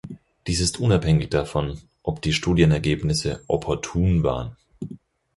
Dies ist unabhängig davon, ob die Studienergebnisse „opportun“ waren.